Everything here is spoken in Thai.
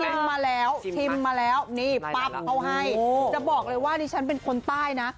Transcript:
ดิฉันจิ้มมาแล้วชิมมาแล้วปับเอาให้จะบอกเลยว่าริฉันเป็นคนใต้นะ